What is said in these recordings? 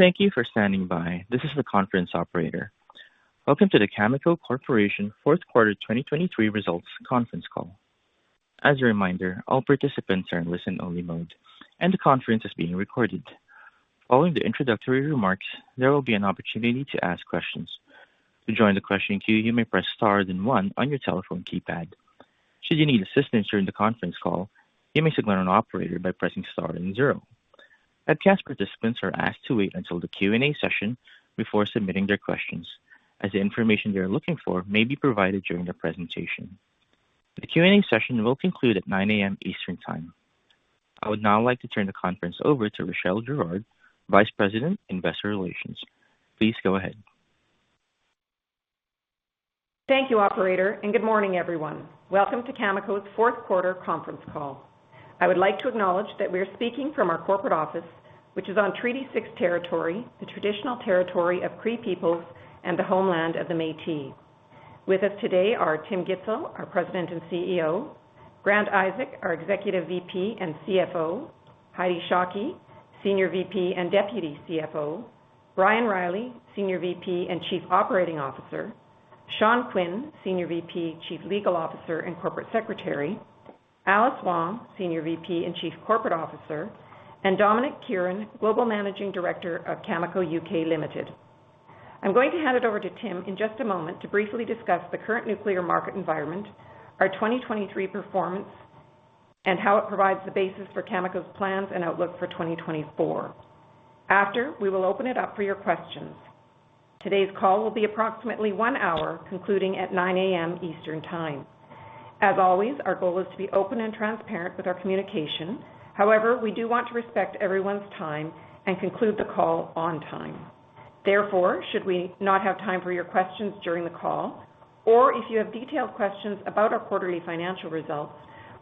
Thank you for standing by. This is the conference operator. Welcome to the Cameco Corporation Q4 2023 Results Conference Call. As a reminder, all participants are in listen-only mode, and the conference is being recorded. Following the introductory remarks, there will be an opportunity to ask questions. To join the questioning queue, you may press Star, then one on your telephone keypad. Should you need assistance during the conference call, you may signal an operator by pressing Star and zero. Webcast participants are asked to wait until the Q&A session before submitting their questions, as the information they are looking for may be provided during the presentation. The Q&A session will conclude at 9:00 A.M. Eastern Time. I would now like to turn the conference over to Rachelle Girard, Vice President, Investor Relations. Please go ahead. Thank you, operator, and good morning, everyone. Welcome to Cameco's Q4 conference call. I would like to acknowledge that we are speaking from our corporate office, which is on Treaty Six territory, the traditional territory of Cree peoples and the homeland of the Métis. With us today are Tim Gitzel, our President and CEO; Grant Isaac, our Executive VP and CFO; Heidi Shockey, Senior VP and Deputy CFO; Brian Reilly, Senior VP and Chief Operating Officer; Sean Quinn, Senior VP, Chief Legal Officer, and Corporate Secretary; Alice Wong, Senior VP and Chief Corporate Officer; and Dominic Kieran, Global Managing Director of Cameco UK Limited. I'm going to hand it over to Tim in just a moment to briefly discuss the current nuclear market environment, our 2023 performance, and how it provides the basis for Cameco's plans and outlook for 2024. After, we will open it up for your questions. Today's call will be approximately one hour, concluding at 9:00 A.M. Eastern Time. As always, our goal is to be open and transparent with our communication. However, we do want to respect everyone's time and conclude the call on time. Therefore, should we not have time for your questions during the call, or if you have detailed questions about our quarterly financial results,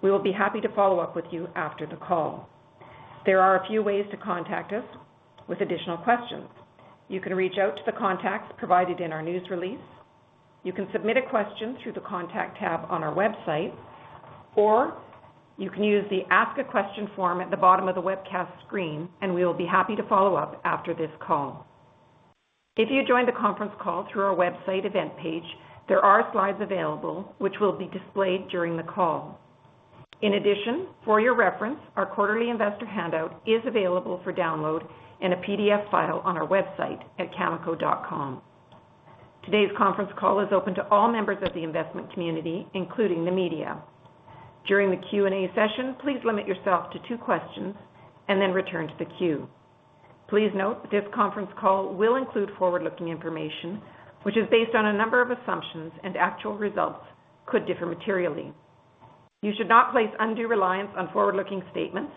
we will be happy to follow up with you after the call. There are a few ways to contact us with additional questions. You can reach out to the contacts provided in our news release, you can submit a question through the Contact tab on our website, or you can use the Ask a Question form at the bottom of the webcast screen, and we will be happy to follow up after this call. If you joined the conference call through our website event page, there are slides available which will be displayed during the call. In addition, for your reference, our quarterly investor handout is available for download in a PDF file on our website at cameco.com. Today's conference call is open to all members of the investment community, including the media. During the Q&A session, please limit yourself to two questions and then return to the queue. Please note that this conference call will include forward-looking information, which is based on a number of assumptions, and actual results could differ materially. You should not place undue reliance on forward-looking statements.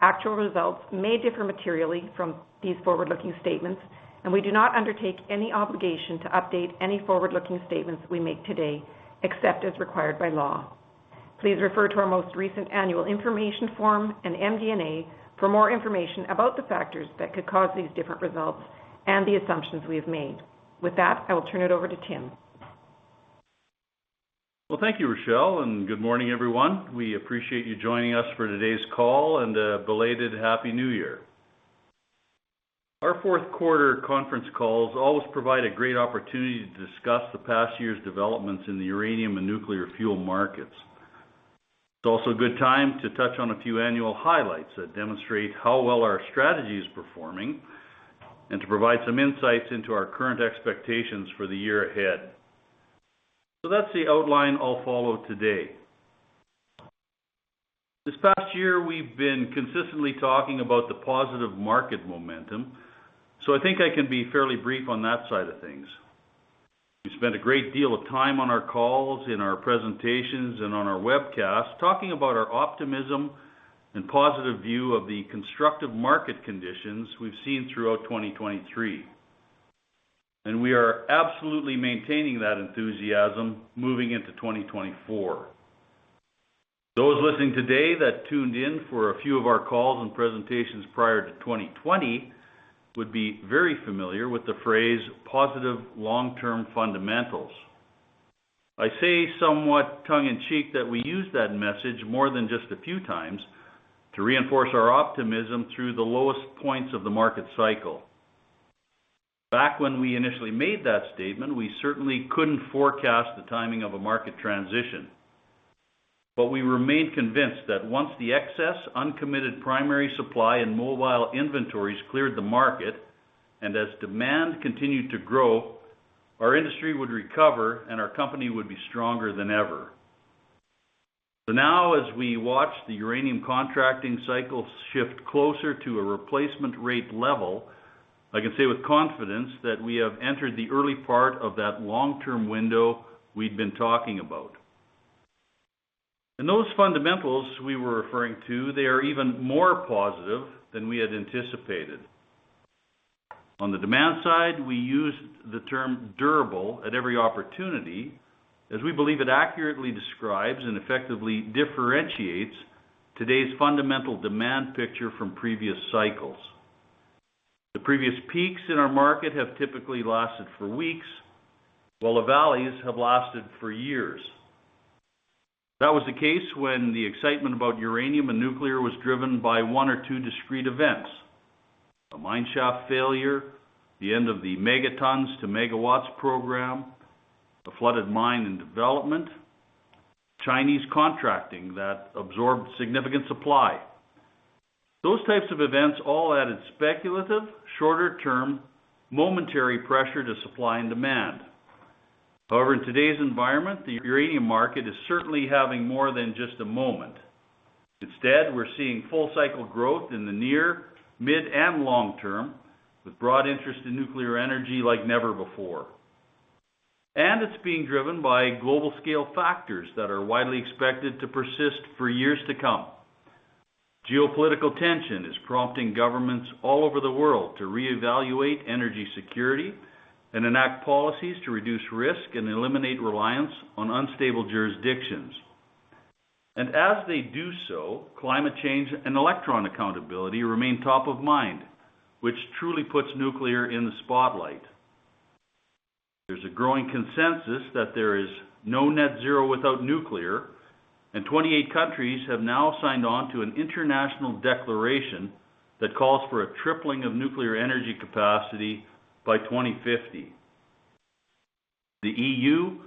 Actual results may differ materially from these forward-looking statements, and we do not undertake any obligation to update any forward-looking statements we make today, except as required by law. Please refer to our most recent annual information form and MD&A for more information about the factors that could cause these different results and the assumptions we have made. With that, I will turn it over to Tim. Well, thank you, Rachelle, and good morning, everyone. We appreciate you joining us for today's call and a belated Happy New Year. Our Q4 conference calls always provide a great opportunity to discuss the past year's developments in the uranium and nuclear fuel markets. It's also a good time to touch on a few annual highlights that demonstrate how well our strategy is performing and to provide some insights into our current expectations for the year ahead. So that's the outline I'll follow today. This past year, we've been consistently talking about the positive market momentum, so I think I can be fairly brief on that side of things. We spent a great deal of time on our calls, in our presentations, and on our webcasts talking about our optimism and positive view of the constructive market conditions we've seen throughout 2023, and we are absolutely maintaining that enthusiasm moving into 2024. Those listening today that tuned in for a few of our calls and presentations prior to 2020 would be very familiar with the phrase, positive long-term fundamentals. I say somewhat tongue in cheek that we used that message more than just a few times to reinforce our optimism through the lowest points of the market cycle. Back when we initially made that statement, we certainly couldn't forecast the timing of a market transition, but we remained convinced that once the excess, uncommitted primary supply and mobile inventories cleared the market, and as demand continued to grow, our industry would recover, and our company would be stronger than ever. So now, as we watch the uranium contracting cycle shift closer to a replacement rate level, I can say with confidence that we have entered the early part of that long-term window we've been talking about. And those fundamentals we were referring to, they are even more positive than we had anticipated. On the demand side, we use the term durable at every opportunity, as we believe it accurately describes and effectively differentiates today's fundamental demand picture from previous cycles. The previous peaks in our market have typically lasted for weeks, while the valleys have lasted for years... That was the case when the excitement about uranium and nuclear was driven by one or two discrete events: a mine shaft failure, the end of the Megatons to Megawatts program, a flooded mine in development, Chinese contracting that absorbed significant supply. Those types of events all added speculative, shorter-term, momentary pressure to supply and demand. However, in today's environment, the uranium market is certainly having more than just a moment. Instead, we're seeing full cycle growth in the near, mid, and long term, with broad interest in nuclear energy like never before. And it's being driven by global scale factors that are widely expected to persist for years to come. Geopolitical tension is prompting governments all over the world to reevaluate energy security and enact policies to reduce risk and eliminate reliance on unstable jurisdictions. And as they do so, climate change and electron accountability remain top of mind, which truly puts nuclear in the spotlight. There's a growing consensus that there is no net zero without nuclear, and 28 countries have now signed on to an international declaration that calls for a tripling of nuclear energy capacity by 2050. The EU,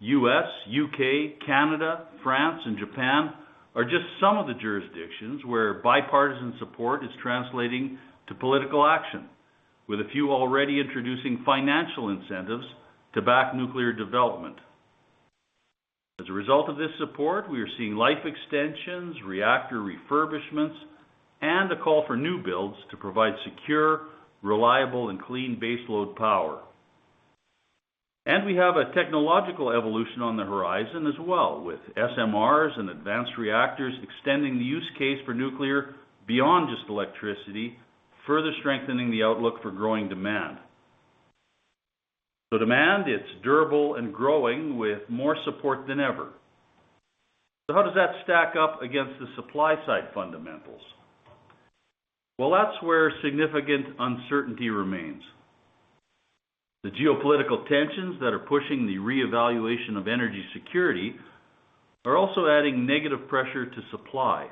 U.S., U.K., Canada, France and Japan are just some of the jurisdictions where bipartisan support is translating to political action, with a few already introducing financial incentives to back nuclear development. As a result of this support, we are seeing life extensions, reactor refurbishments, and a call for new builds to provide secure, reliable, and clean baseload power. And we have a technological evolution on the horizon as well, with SMRs and advanced reactors extending the use case for nuclear beyond just electricity, further strengthening the outlook for growing demand. So demand, it's durable and growing with more support than ever. So how does that stack up against the supply side fundamentals? Well, that's where significant uncertainty remains. The geopolitical tensions that are pushing the reevaluation of energy security are also adding negative pressure to supply.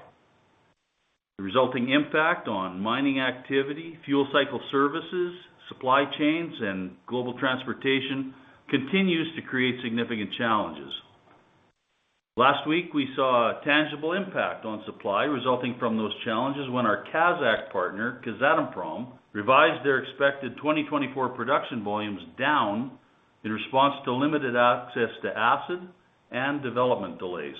The resulting impact on mining activity, fuel cycle services, supply chains, and global transportation continues to create significant challenges. Last week, we saw a tangible impact on supply resulting from those challenges when our Kazakh partner, Kazatomprom, revised their expected 2024 production volumes down in response to limited access to acid and development delays.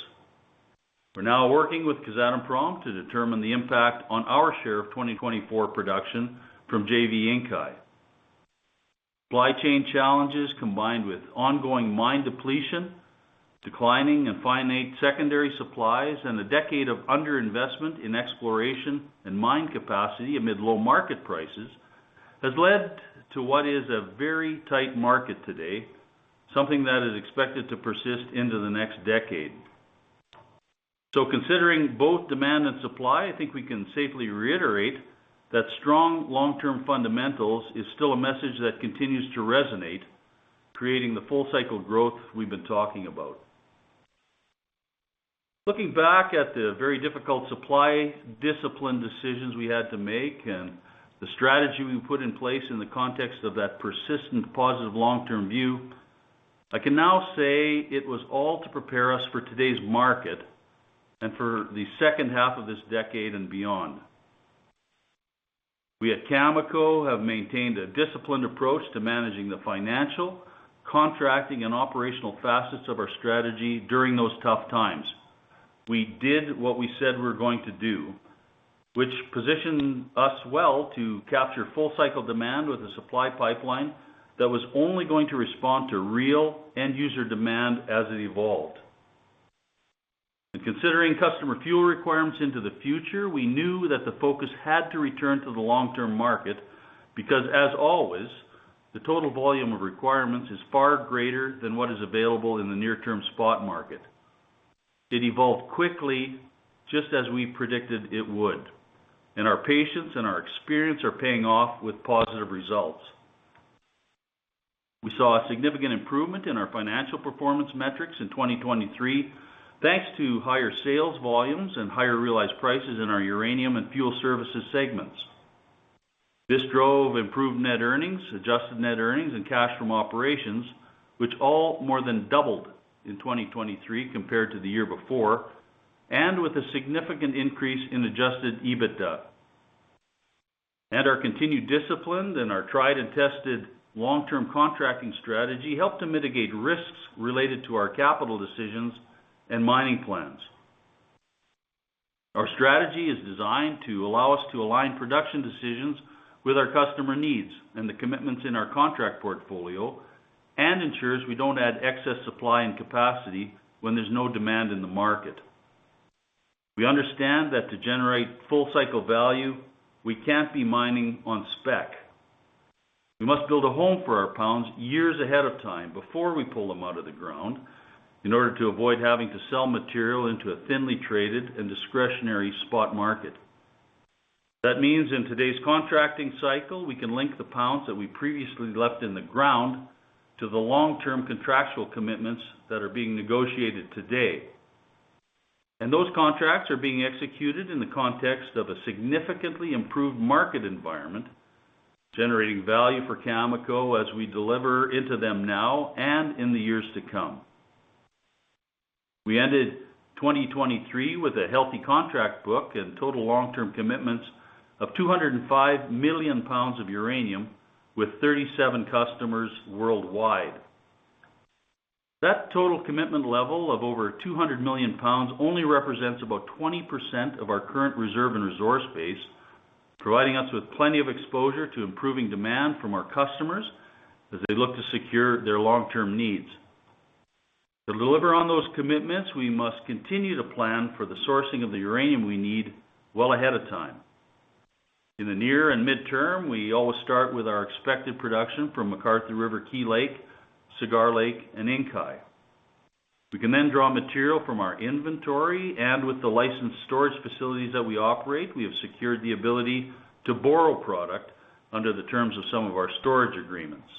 We're now working with Kazatomprom to determine the impact on our share of 2024 production from JV Inkai. Supply chain challenges, combined with ongoing mine depletion, declining and finite secondary supplies, and a decade of underinvestment in exploration and mine capacity amid low market prices, has led to what is a very tight market today, something that is expected to persist into the next decade. Considering both demand and supply, I think we can safely reiterate that strong long-term fundamentals is still a message that continues to resonate, creating the full cycle growth we've been talking about. Looking back at the very difficult supply discipline decisions we had to make and the strategy we put in place in the context of that persistent, positive, long-term view, I can now say it was all to prepare us for today's market and for the second half of this decade and beyond. We at Cameco have maintained a disciplined approach to managing the financial, contracting, and operational facets of our strategy during those tough times. We did what we said we were going to do, which positioned us well to capture full cycle demand with a supply pipeline that was only going to respond to real end user demand as it evolved. And considering customer fuel requirements into the future, we knew that the focus had to return to the long-term market, because as always, the total volume of requirements is far greater than what is available in the near term spot market. It evolved quickly, just as we predicted it would, and our patience and our experience are paying off with positive results. We saw a significant improvement in our financial performance metrics in 2023, thanks to higher sales volumes and higher realized prices in our uranium and fuel services segments. This drove improved net earnings, adjusted net earnings, and cash from operations, which all more than doubled in 2023 compared to the year before, and with a significant increase in adjusted EBITDA. Our continued discipline and our tried and tested long-term contracting strategy helped to mitigate risks related to our capital decisions and mining plans. Our strategy is designed to allow us to align production decisions with our customer needs and the commitments in our contract portfolio, and ensures we don't add excess supply and capacity when there's no demand in the market. We understand that to generate full cycle value, we can't be mining on spec. We must build a home for our pounds years ahead of time before we pull them out of the ground, in order to avoid having to sell material into a thinly traded and discretionary spot market. That means in today's contracting cycle, we can link the pounds that we previously left in the ground to the long-term contractual commitments that are being negotiated today. And those contracts are being executed in the context of a significantly improved market environment, generating value for Cameco as we deliver into them now and in the years to come. We ended 2023 with a healthy contract book and total long-term commitments of 205 million pounds of uranium, with 37 customers worldwide. That total commitment level of over 200 million pounds only represents about 20% of our current reserve and resource base, providing us with plenty of exposure to improving demand from our customers as they look to secure their long-term needs. To deliver on those commitments, we must continue to plan for the sourcing of the uranium we need well ahead of time. In the near and midterm, we always start with our expected production from McArthur River/Key Lake, Cigar Lake, and Inkai. We can then draw material from our inventory, and with the licensed storage facilities that we operate, we have secured the ability to borrow product under the terms of some of our storage agreements.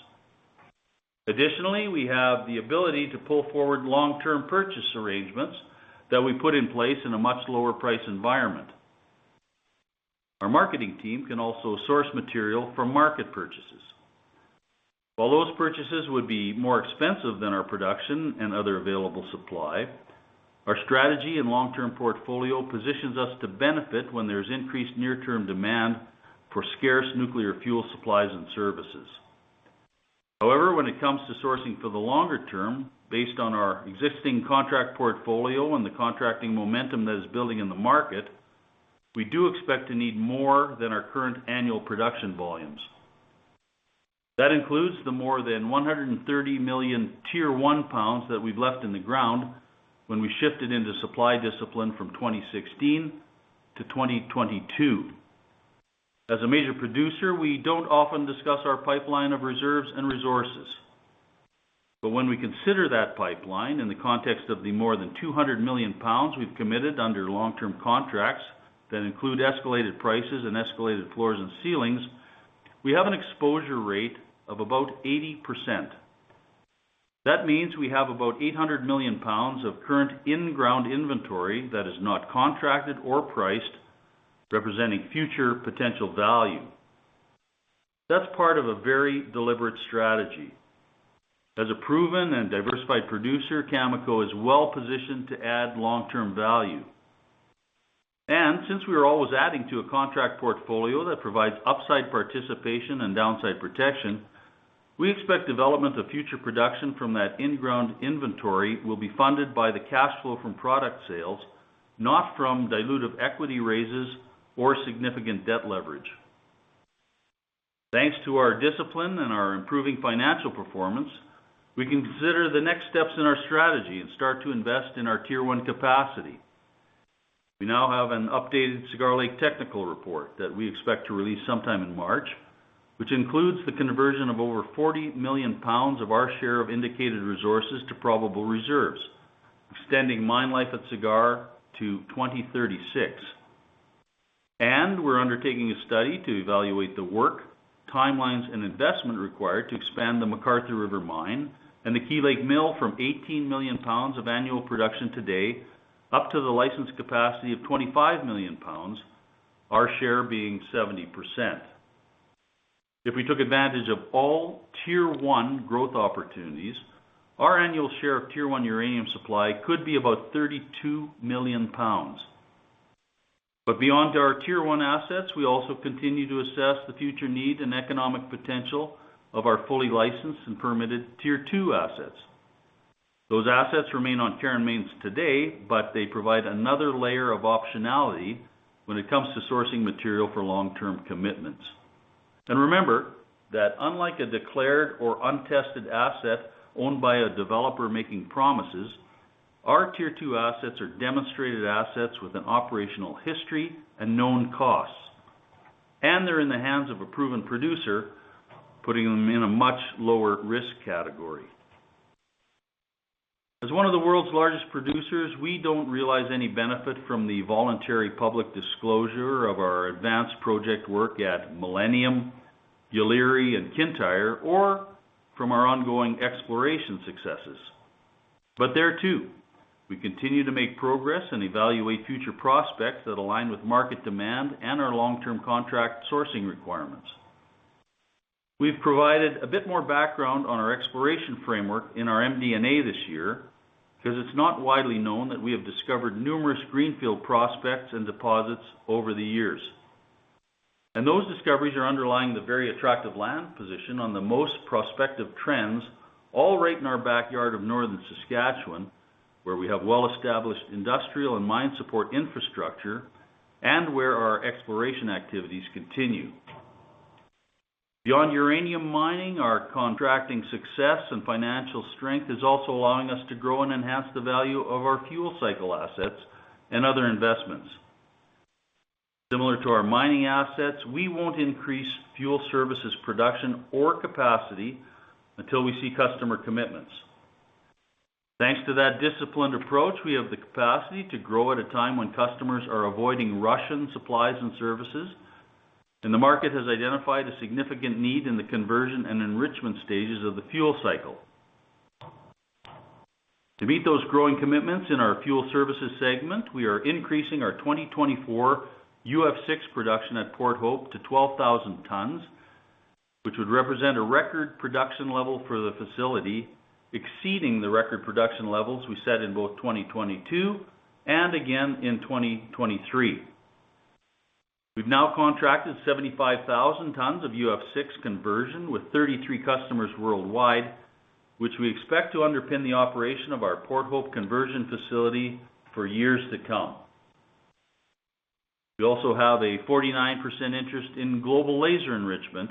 Additionally, we have the ability to pull forward long-term purchase arrangements that we put in place in a much lower price environment. Our marketing team can also source material from market purchases. While those purchases would be more expensive than our production and other available supply, our strategy and long-term portfolio positions us to benefit when there's increased near-term demand for scarce nuclear fuel supplies and services. However, when it comes to sourcing for the longer term, based on our existing contract portfolio and the contracting momentum that is building in the market, we do expect to need more than our current annual production volumes. That includes the more than 130 million Tier One pounds that we've left in the ground when we shifted into supply discipline from 2016 to 2022. As a major producer, we don't often discuss our pipeline of reserves and resources. When we consider that pipeline in the context of the more than 200 million pounds we've committed under long-term contracts that include escalated prices and escalated floors and ceilings, we have an exposure rate of about 80%. That means we have about 800 million pounds of current in-ground inventory that is not contracted or priced, representing future potential value. That's part of a very deliberate strategy. As a proven and diversified producer, Cameco is well positioned to add long-term value. And since we are always adding to a contract portfolio that provides upside participation and downside protection, we expect development of future production from that in-ground inventory will be funded by the cash flow from product sales, not from dilutive equity raises or significant debt leverage. Thanks to our discipline and our improving financial performance, we can consider the next steps in our strategy and start to invest in our Tier One capacity. We now have an updated Cigar Lake technical report that we expect to release sometime in March, which includes the conversion of over 40 million pounds of our share of indicated resources to probable reserves, extending mine life at Cigar to 2036. We're undertaking a study to evaluate the work, timelines, and investment required to expand the McArthur River Mine and the Key Lake Mill from 18 million pounds of annual production today, up to the licensed capacity of 25 million pounds, our share being 70%. If we took advantage of all Tier One growth opportunities, our annual share of Tier One uranium supply could be about 32 million pounds. Beyond our Tier One assets, we also continue to assess the future need and economic potential of our fully licensed and permitted Tier Two assets. Those assets remain on care and maintenance today, but they provide another layer of optionality when it comes to sourcing material for long-term commitments. Remember that unlike a declared or untested asset owned by a developer making promises, our Tier Two assets are demonstrated assets with an operational history and known costs, and they're in the hands of a proven producer, putting them in a much lower risk category. As one of the world's largest producers, we don't realize any benefit from the voluntary public disclosure of our advanced project work at Millennium, Yeelirrie, and Kintyre, or from our ongoing exploration successes. But there, too, we continue to make progress and evaluate future prospects that align with market demand and our long-term contract sourcing requirements. We've provided a bit more background on our exploration framework in our MD&A this year, because it's not widely known that we have discovered numerous greenfield prospects and deposits over the years. And those discoveries are underlying the very attractive land position on the most prospective trends, all right in our backyard of Northern Saskatchewan, where we have well-established industrial and mine support infrastructure, and where our exploration activities continue. Beyond uranium mining, our contracting success and financial strength is also allowing us to grow and enhance the value of our fuel cycle assets and other investments. Similar to our mining assets, we won't increase fuel services production or capacity until we see customer commitments. Thanks to that disciplined approach, we have the capacity to grow at a time when customers are avoiding Russian supplies and services, and the market has identified a significant need in the conversion and enrichment stages of the fuel cycle. To meet those growing commitments in our fuel services segment, we are increasing our 2024 UF6 production at Port Hope to 12,000 tons, which would represent a record production level for the facility, exceeding the record production levels we set in both 2022 and again in 2023. We've now contracted 75,000 tons of UF6 conversion with 33 customers worldwide, which we expect to underpin the operation of our Port Hope conversion facility for years to come. We also have a 49% interest in Global Laser Enrichment,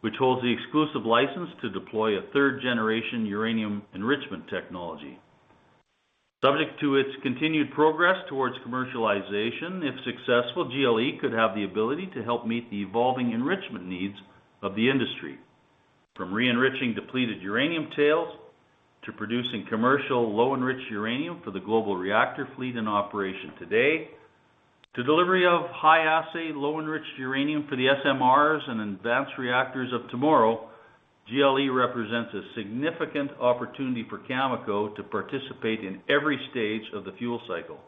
which holds the exclusive license to deploy a third-generation uranium enrichment technology. Subject to its continued progress towards commercialization, if successful, GLE could have the ability to help meet the evolving enrichment needs of the industry. From re-enriching depleted uranium tails to producing commercial low-enriched uranium for the global reactor fleet in operation today, to delivery of high-assay low-enriched uranium for the SMRs and advanced reactors of tomorrow, GLE represents a significant opportunity for Cameco to participate in every stage of the fuel cycle.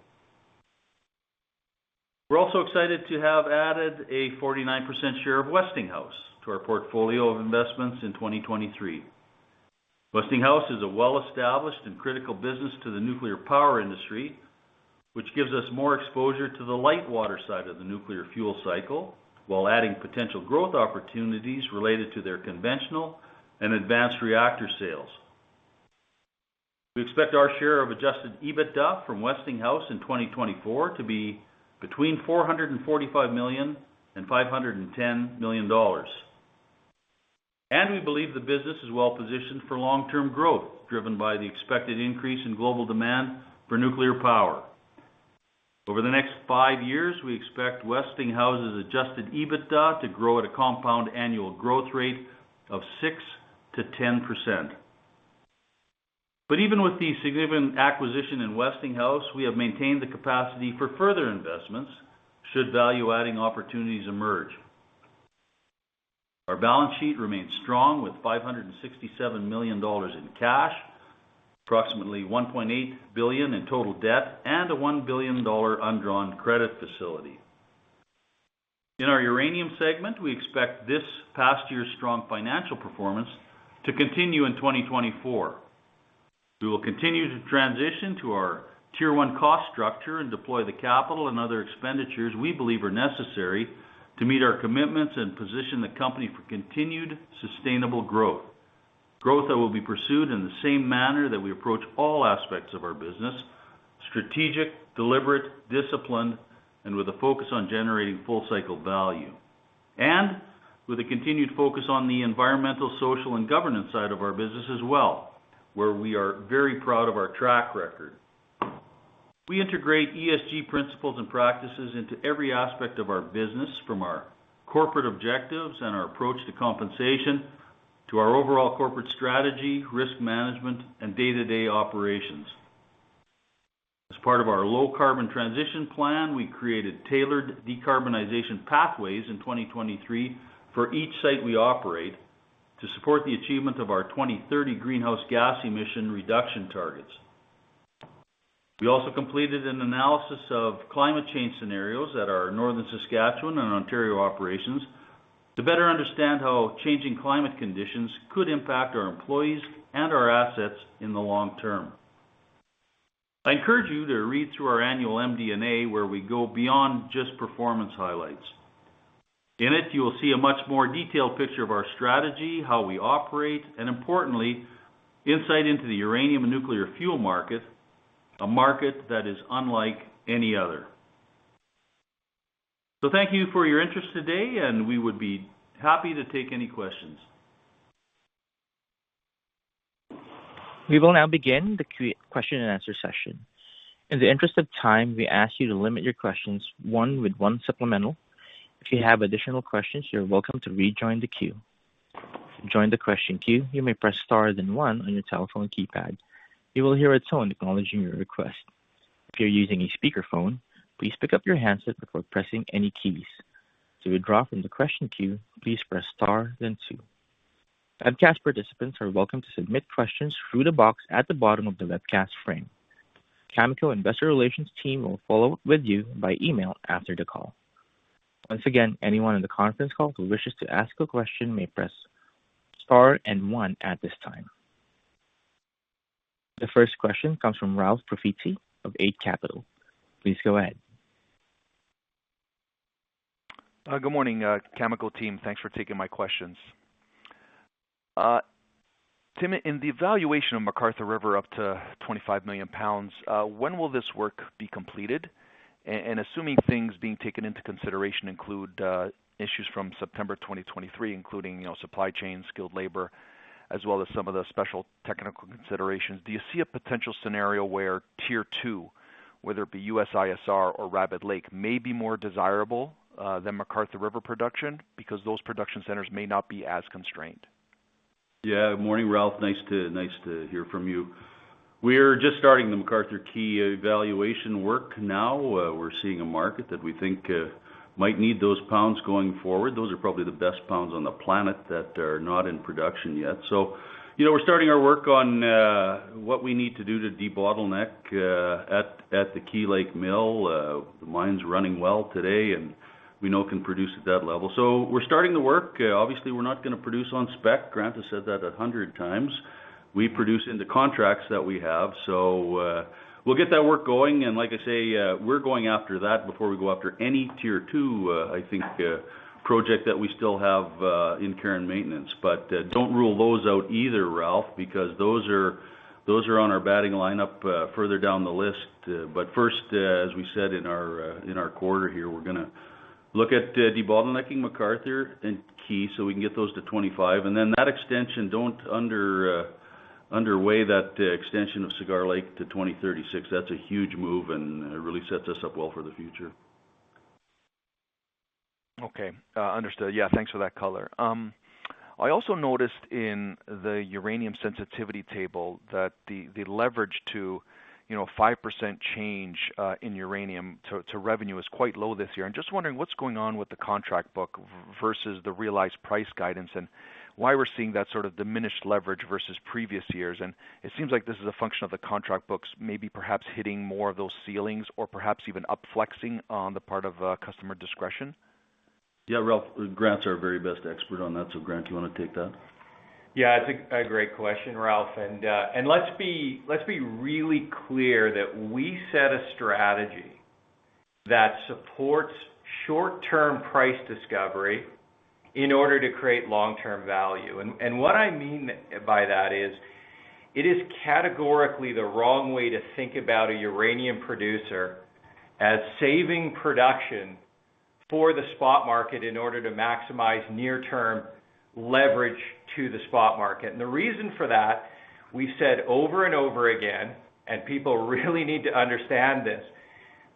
We're also excited to have added a 49% share of Westinghouse to our portfolio of investments in 2023. Westinghouse is a well-established and critical business to the nuclear power industry, which gives us more exposure to the light water side of the nuclear fuel cycle, while adding potential growth opportunities related to their conventional and advanced reactor sales. We expect our share of adjusted EBITDA from Westinghouse in 2024 to be between $445 million and $510 million. We believe the business is well-positioned for long-term growth, driven by the expected increase in global demand for nuclear power. Over the next five years, we expect Westinghouse's adjusted EBITDA to grow at a compound annual growth rate of 6%-10%. Even with the significant acquisition in Westinghouse, we have maintained the capacity for further investments should value-adding opportunities emerge. Our balance sheet remains strong, with 567 million dollars in cash, approximately 1.8 billion in total debt, and a 1 billion dollar undrawn credit facility. In our uranium segment, we expect this past year's strong financial performance to continue in 2024. We will continue to transition to our Tier One cost structure and deploy the capital and other expenditures we believe are necessary to meet our commitments and position the company for continued sustainable growth. Growth that will be pursued in the same manner that we approach all aspects of our business: strategic, deliberate, disciplined, and with a focus on generating full-cycle value. With a continued focus on the environmental, social, and governance side of our business as well, where we are very proud of our track record. We integrate ESG principles and practices into every aspect of our business, from our corporate objectives and our approach to compensation, to our overall corporate strategy, risk management, and day-to-day operations. As part of our low carbon transition plan, we created tailored decarbonization pathways in 2023 for each site we operate, to support the achievement of our 2030 greenhouse gas emission reduction targets. We also completed an analysis of climate change scenarios at our Northern Saskatchewan and Ontario operations, to better understand how changing climate conditions could impact our employees and our assets in the long term. I encourage you to read through our annual MD&A, where we go beyond just performance highlights. In it, you will see a much more detailed picture of our strategy, how we operate, and importantly, insight into the uranium and nuclear fuel market, a market that is unlike any other. Thank you for your interest today, and we would be happy to take any questions. We will now begin the question and answer session. In the interest of time, we ask you to limit your questions to one with one supplemental. If you have additional questions, you're welcome to rejoin the queue. To join the question queue, you may press star then one on your telephone keypad. You will hear a tone acknowledging your request. If you're using a speakerphone, please pick up your handset before pressing any keys. To withdraw from the question queue, please press star then two. Webcast participants are welcome to submit questions through the box at the bottom of the webcast frame. Cameco Investor Relations team will follow up with you by email after the call. Once again, anyone on the conference call who wishes to ask a question may press star and one at this time. The first question comes from Ralph Profiti of Eight Capital. Please go ahead. Good morning, Cameco team. Thanks for taking my questions. Tim, in the evaluation of McArthur River, up to 25 million pounds, when will this work be completed? And assuming things being taken into consideration include, you know, issues from September 2023, including supply chain, skilled labor, as well as some of the special technical considerations, do you see a potential scenario where Tier Two, whether it be US ISR or Rabbit Lake, may be more desirable than McArthur River production? Because those production centers may not be as constrained. Yeah, good morning, Ralph. Nice to hear from you. We're just starting the McArthur River/Key Lake evaluation work now. We're seeing a market that we think might need those pounds going forward. Those are probably the best pounds on the planet that are not in production yet. So, you know, we're starting our work on what we need to do to debottleneck at the Key Lake mill. The mine's running well today, and we know it can produce at that level. So we're starting the work. Obviously, we're not gonna produce on spec. Grant has said that 100 times. We produce in the contracts that we have, so, we'll get that work going, and like I say, we're going after that before we go after any Tier Two, I think, project that we still have, in care and maintenance. But, don't rule those out either, Ralph, because those are, those are on our batting lineup, further down the list. But first, as we said in our, in our quarter here, we're gonna look at, debottlenecking McArthur and Key so we can get those to 25. And then that extension, don't underweigh that extension of Cigar Lake to 2036. That's a huge move, and it really sets us up well for the future. Okay, understood. Yeah, thanks for that color. I also noticed in the uranium sensitivity table that the leverage to, you know, 5% change in uranium to revenue is quite low this year. I'm just wondering what's going on with the contract book versus the realized price guidance, and why we're seeing that sort of diminished leverage versus previous years. And it seems like this is a function of the contract books, maybe perhaps hitting more of those ceilings or perhaps even up-flexing on the part of customer discretion. Yeah, Ralph, Grant's our very best expert on that. So Grant, you want to take that? Yeah, it's a great question, Ralph. And let's be really clear that we set a strategy that supports short-term price discovery in order to create long-term value. And what I mean by that is, it is categorically the wrong way to think about a uranium producer as saving production for the spot market in order to maximize near-term leverage to the spot market. And the reason for that, we've said over and over again, and people really need to understand this,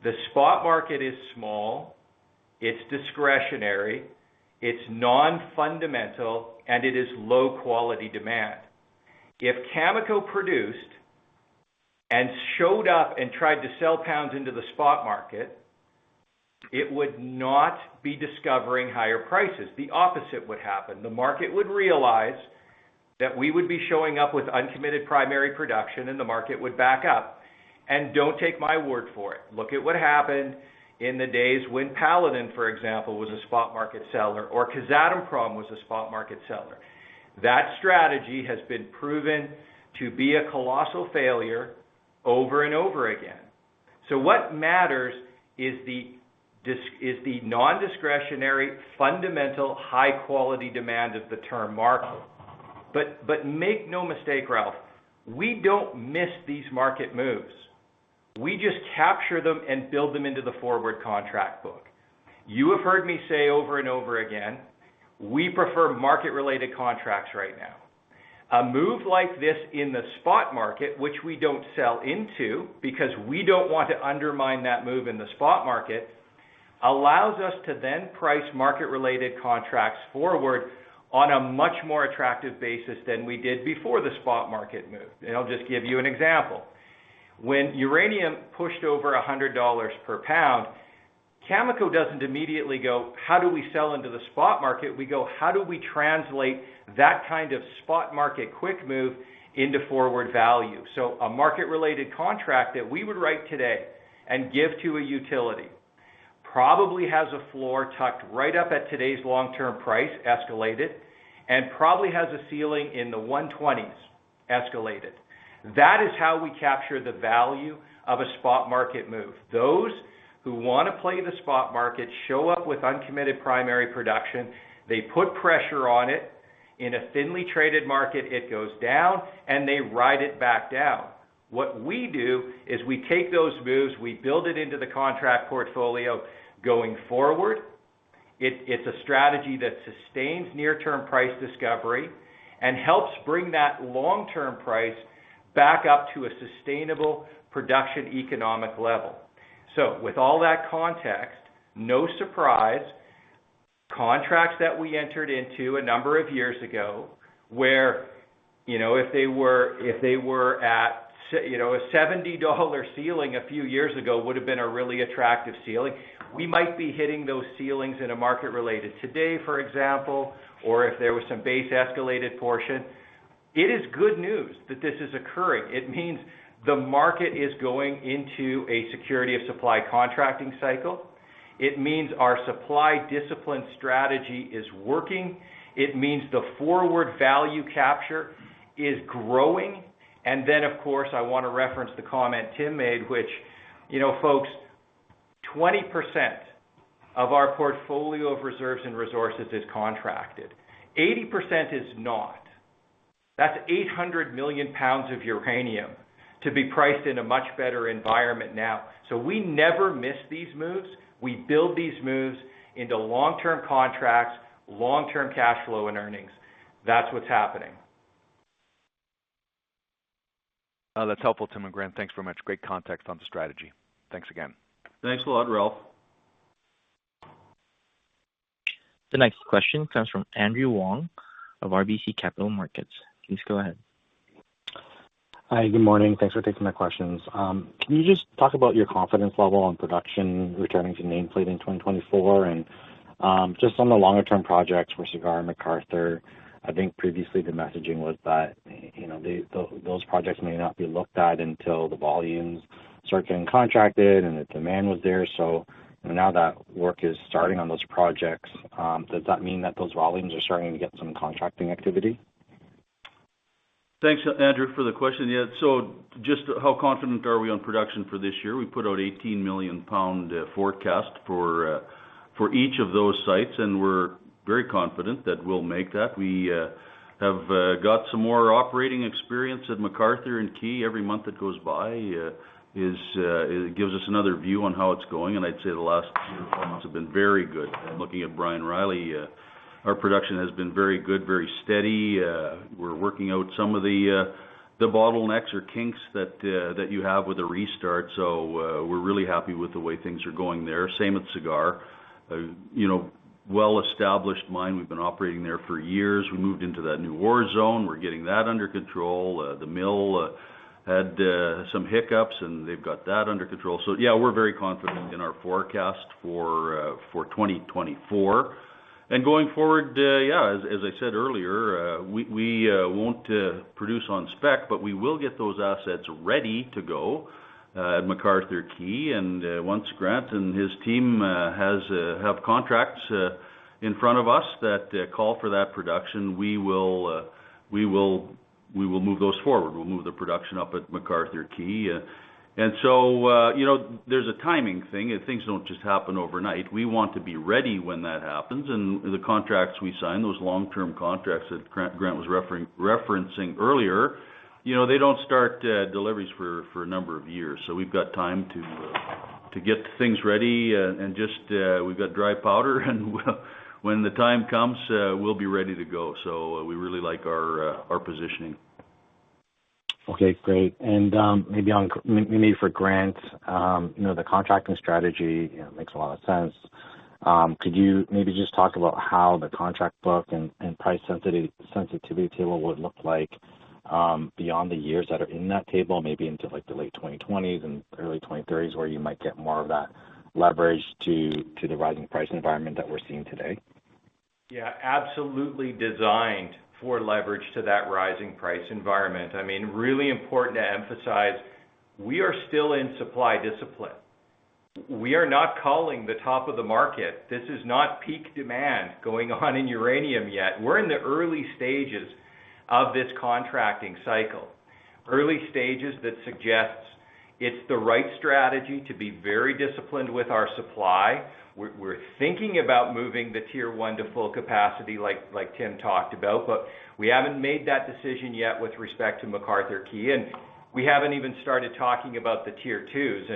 the spot market is small, it's discretionary, it's non-fundamental, and it is low-quality demand. If Cameco produced and showed up and tried to sell pounds into the spot market, it would not be discovering higher prices. The opposite would happen. The market would realize that we would be showing up with uncommitted primary production, and the market would back up. Don't take my word for it. Look at what happened in the days when Paladin, for example, was a spot market seller or Kazatomprom was a spot market seller. That strategy has been proven to be a colossal failure over and over again. What matters is the non-discretionary, fundamental, high-quality demand of the term market. But make no mistake, Ralph, we don't miss these market moves. We just capture them and build them into the forward contract book. You have heard me say over and over again, we prefer market-related contracts right now. A move like this in the spot market, which we don't sell into, because we don't want to undermine that move in the spot market, allows us to then price market-related contracts forward on a much more attractive basis than we did before the spot market moved. I'll just give you an example. When uranium pushed over $100 per pound, Cameco doesn't immediately go, "How do we sell into the spot market?" We go, "How do we translate that kind of spot market quick move into forward value?" So a market-related contract that we would write today and give to a utility, probably has a floor tucked right up at today's long-term price, escalated, and probably has a ceiling in the $120s, escalated. That is how we capture the value of a spot market move. Those who want to play the spot market show up with uncommitted primary production, they put pressure on it. In a thinly traded market, it goes down, and they ride it back down. What we do is we take those moves, we build it into the contract portfolio going forward. It's a strategy that sustains near-term price discovery and helps bring that long-term price back up to a sustainable production economic level. So with all that context, no surprise, contracts that we entered into a number of years ago, where, you know, if they were, if they were at, you know, a $70 ceiling a few years ago, would have been a really attractive ceiling. We might be hitting those ceilings in a market related. Today, for example, or if there was some base escalated portion, it is good news that this is occurring. It means the market is going into a security of supply contracting cycle. It means our supply discipline strategy is working. It means the forward value capture is growing. And then, of course, I want to reference the comment Tim made, which, you know, folks, 20% of our portfolio of reserves and resources is contracted. 80% is not. That's 800 million pounds of uranium to be priced in a much better environment now. So we never miss these moves. We build these moves into long-term contracts, long-term cash flow and earnings. That's what's happening.... Oh, that's helpful, Tim and Grant. Thanks very much. Great context on the strategy. Thanks again. Thanks a lot, Ralph. The next question comes from Andrew Wong of RBC Capital Markets. Please go ahead. Hi, good morning. Thanks for taking my questions. Can you just talk about your confidence level on production returning to nameplate in 2024? And just on the longer-term projects for Cigar and McArthur, I think previously the messaging was that, you know, those projects may not be looked at until the volumes start getting contracted and the demand was there. So now that work is starting on those projects, does that mean that those volumes are starting to get some contracting activity? Thanks, Andrew, for the question. Yeah, so just how confident are we on production for this year? We put out 18 million pounds forecast for each of those sites, and we're very confident that we'll make that. We have got some more operating experience at McArthur and Key. Every month that goes by, it gives us another view on how it's going, and I'd say the last two, three months have been very good. Looking at Brian Reilly, our production has been very good, very steady. We're working out some of the bottlenecks or kinks that you have with a restart. So, we're really happy with the way things are going there. Same with Cigar. You know, well-established mine. We've been operating there for years. We moved into that new ore zone. We're getting that under control. The mill had some hiccups, and they've got that under control. So yeah, we're very confident in our forecast for 2024. And going forward, yeah, as I said earlier, we won't produce on spec, but we will get those assets ready to go at McArthur Key. And once Grant and his team have contracts in front of us that call for that production, we will move those forward. We'll move the production up at McArthur Key. And so, you know, there's a timing thing, and things don't just happen overnight. We want to be ready when that happens, and the contracts we sign, those long-term contracts that Grant was referencing earlier, you know, they don't start deliveries for a number of years. So we've got time to get things ready, and just, we've got dry powder, and when the time comes, we'll be ready to go. So we really like our positioning. Okay, great. And maybe for Grant, you know, the contracting strategy, you know, makes a lot of sense. Could you maybe just talk about how the contract book and price sensitivity table would look like, beyond the years that are in that table, maybe into, like, the late 2020s and early 2030s, where you might get more of that leverage to the rising price environment that we're seeing today? Yeah, absolutely designed for leverage to that rising price environment. I mean, really important to emphasize, we are still in supply discipline. We are not calling the top of the market. This is not peak demand going on in uranium yet. We're in the early stages of this contracting cycle. Early stages that suggests it's the right strategy to be very disciplined with our supply. We're thinking about moving the Tier One to full capacity, like Tim talked about, but we haven't made that decision yet with respect to McArthur River/Key Lake, and we haven't even started talking about the Tier Twos.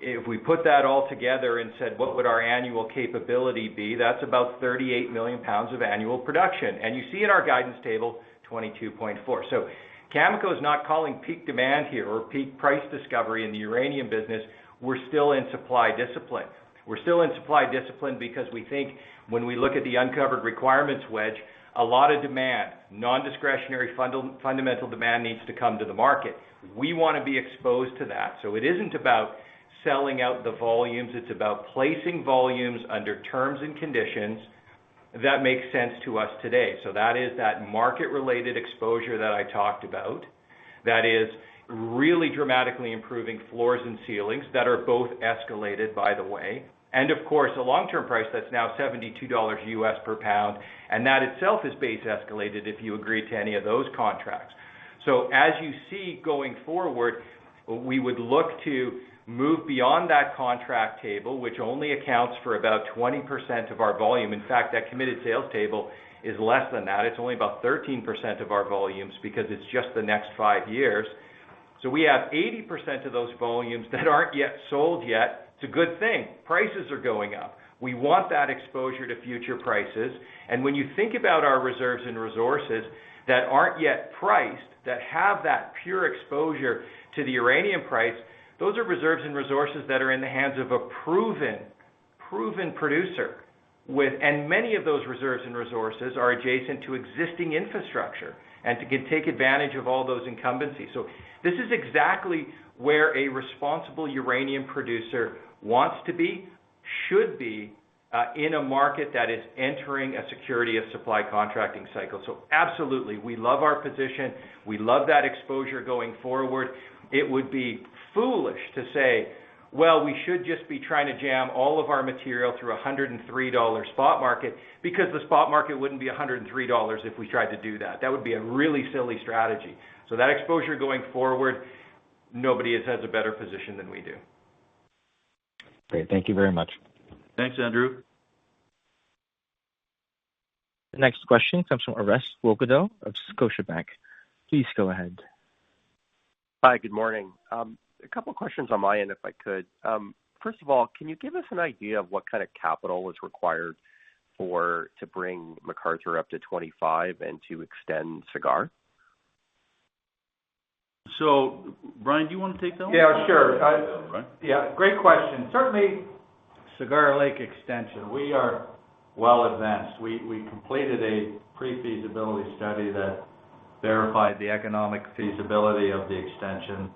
If we put that all together and said: What would our annual capability be? That's about 38 million pounds of annual production. You see in our guidance table, 22.4. So Cameco is not calling peak demand here or peak price discovery in the uranium business. We're still in supply discipline. We're still in supply discipline because we think when we look at the uncovered requirements wedge, a lot of demand, non-discretionary fundamental demand, needs to come to the market. We want to be exposed to that. So it isn't about selling out the volumes, it's about placing volumes under terms and conditions that makes sense to us today. So that is that market-related exposure that I talked about that is really dramatically improving floors and ceilings that are both escalated, by the way, and of course, a long-term price that's now $72 U.S. per pound, and that itself is base escalated if you agree to any of those contracts. So as you see going forward, we would look to move beyond that contract table, which only accounts for about 20% of our volume. In fact, that committed sales table is less than that. It's only about 13% of our volumes because it's just the next 5 years. So we have 80% of those volumes that aren't yet sold yet. It's a good thing. Prices are going up. We want that exposure to future prices, and when you think about our reserves and resources that aren't yet priced, that have that pure exposure to the uranium price, those are reserves and resources that are in the hands of a proven, proven producer with, and many of those reserves and resources are adjacent to existing infrastructure and can take advantage of all those incumbencies. So this is exactly where a responsible uranium producer wants to be, should be, in a market that is entering a security of supply contracting cycle. So absolutely, we love our position. We love that exposure going forward. It would be foolish to say, "Well, we should just be trying to jam all of our material through a $103 spot market," because the spot market wouldn't be $103 if we tried to do that. That would be a really silly strategy. So that exposure going forward, nobody has a better position than we do. Great. Thank you very much. Thanks, Andrew. The next question comes from Orest Wowkodaw of Scotiabank. Please go ahead. Hi, good morning. A couple questions on my end, if I could. First of all, can you give us an idea of what kind of capital is required for, to bring McArthur up to 25 and to extend Cigar?... So, Brian, do you want to take that one? Yeah, sure. All right. Yeah, great question. Certainly, Cigar Lake extension, we are well advanced. We completed a pre-feasibility study that verified the economic feasibility of the extension.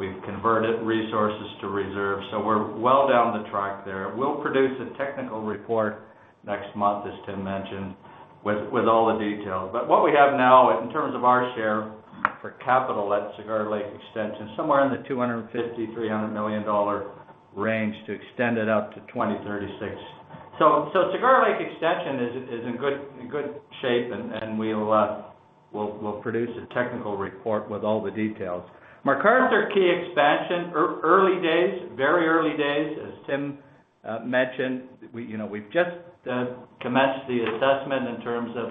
We've converted resources to reserve, so we're well down the track there. We'll produce a technical report next month, as Tim mentioned, with all the details. But what we have now in terms of our share for capital at Cigar Lake Extension, somewhere in the 250-300 million dollar range to extend it out to 2036. So, Cigar Lake Extension is in good shape, and we'll produce a technical report with all the details. McArthur River/Key Lake expansion, early days, very early days, as Tim mentioned. We, you know, we've just commenced the assessment in terms of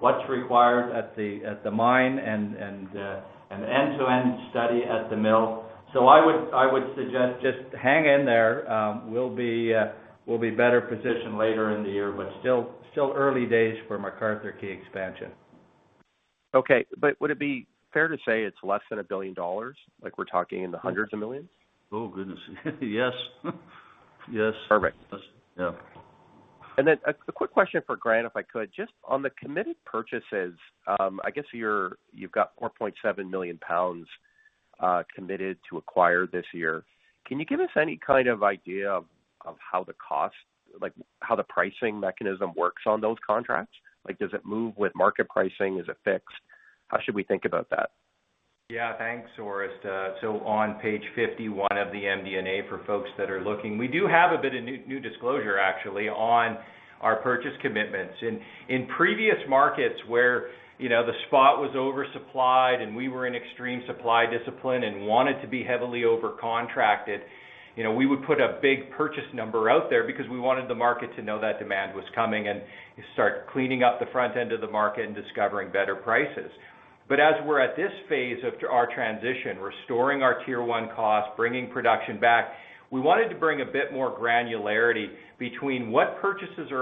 what's required at the mine and an end-to-end study at the mill. So I would suggest just hang in there. We'll be better positioned later in the year, but still early days for McArthur River/Key Lake expansion. Okay, but would it be fair to say it's less than $1 billion, like we're talking in the hundreds of millions? Oh, goodness. Yes. Yes. Perfect. Yes. Yeah. Then a quick question for Grant, if I could. Just on the committed purchases, I guess you're, you've got 4.7 million pounds committed to acquire this year. Can you give us any kind of idea of how the cost, like, how the pricing mechanism works on those contracts? Like, does it move with market pricing? Is it fixed? How should we think about that? Yeah, thanks, Orest. So on page 51 of the MD&A, for folks that are looking, we do have a bit of new disclosure actually, on our purchase commitments. In previous markets where, you know, the spot was oversupplied and we were in extreme supply discipline and wanted to be heavily over-contracted, you know, we would put a big purchase number out there because we wanted the market to know that demand was coming and start cleaning up the front end of the market and discovering better prices. But as we're at this phase of our transition, restoring our Tier One costs, bringing production back, we wanted to bring a bit more granularity between what purchases we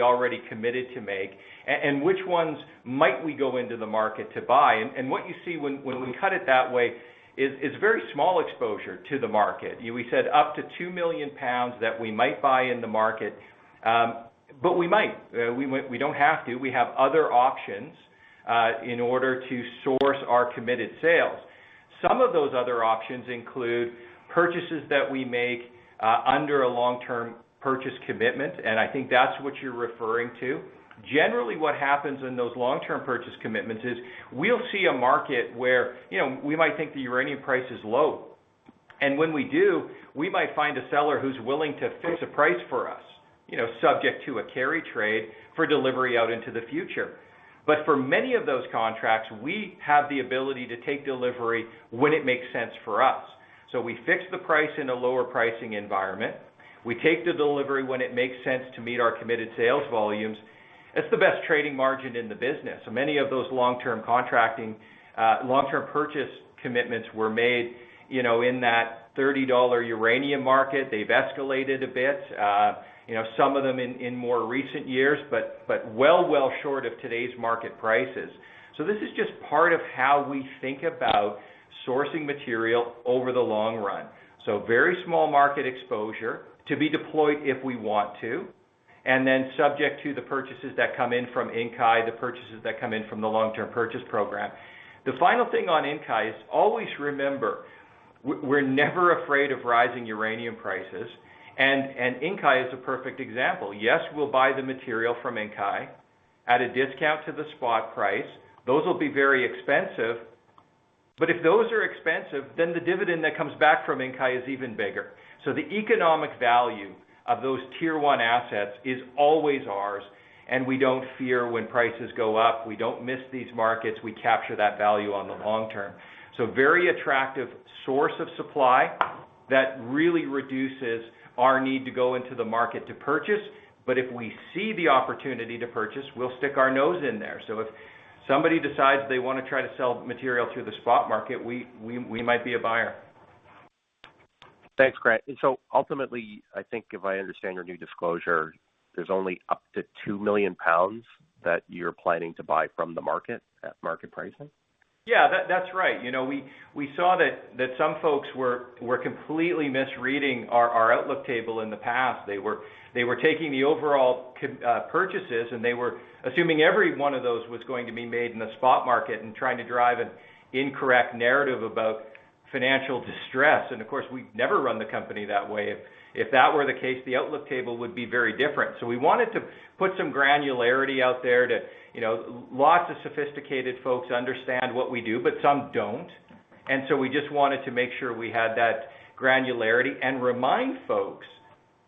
are already committed to make, and which ones might we go into the market to buy? What you see when we cut it that way is very small exposure to the market. We said up to 2 million pounds that we might buy in the market, but we might, we don't have to. We have other options in order to source our committed sales. Some of those other options include purchases that we make under a long-term purchase commitment, and I think that's what you're referring to. Generally, what happens in those long-term purchase commitments is, we'll see a market where, you know, we might think the uranium price is low. And when we do, we might find a seller who's willing to fix a price for us, you know, subject to a carry trade for delivery out into the future. But for many of those contracts, we have the ability to take delivery when it makes sense for us. So we fix the price in a lower pricing environment. We take the delivery when it makes sense to meet our committed sales volumes. It's the best trading margin in the business. So many of those long-term contracting, long-term purchase commitments were made, you know, in that $30 uranium market. They've escalated a bit, you know, some of them in more recent years, but well short of today's market prices. So this is just part of how we think about sourcing material over the long run. So very small market exposure to be deployed if we want to, and then subject to the purchases that come in from Inkai, the purchases that come in from the long-term purchase program. The final thing on Inkai is always remember, we're never afraid of rising uranium prices, and Inkai is a perfect example. Yes, we'll buy the material from Inkai at a discount to the spot price. Those will be very expensive, but if those are expensive, then the dividend that comes back from Inkai is even bigger. So the economic value of those Tier One assets is always ours, and we don't fear when prices go up. We don't miss these markets, we capture that value on the long term. So very attractive source of supply that really reduces our need to go into the market to purchase. But if we see the opportunity to purchase, we'll stick our nose in there. So if somebody decides they want to try to sell material to the spot market, we might be a buyer. Thanks, Grant. So ultimately, I think if I understand your new disclosure, there's only up to 2 million pounds that you're planning to buy from the market at market pricing? Yeah, that's right. You know, we saw that some folks were completely misreading our outlook table in the past. They were taking the overall purchases, and they were assuming every one of those was going to be made in the spot market and trying to drive an incorrect narrative about financial distress. And of course, we'd never run the company that way. If that were the case, the outlook table would be very different. So we wanted to put some granularity out there to, you know, lots of sophisticated folks understand what we do, but some don't. And so we just wanted to make sure we had that granularity and remind folks